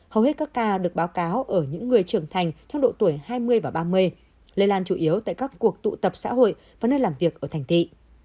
hầu hết các ca được báo cáo ở những người trưởng thành trong độ tuổi hai mươi và ba mươi lây lan chủ yếu tại các cuộc tụ tập xã hội và nơi làm việc ở thành thị